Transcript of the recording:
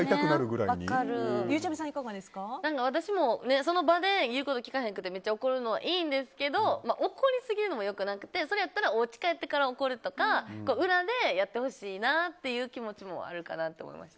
私もその場で言うこと聞かへんくてめっちゃ怒るのはいいですけど怒りすぎるのもよくなくておうちかえって怒るとか裏でやってほしいなっていう気持ちもあるかなと思います。